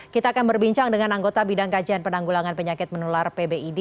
kita akan berbincang dengan anggota bidang kajian penanggulangan penyakit menular pbid